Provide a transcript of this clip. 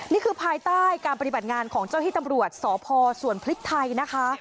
ภายใต้การปฏิบัติงานของเจ้าที่ตำรวจสพสวนพริกไทยนะคะ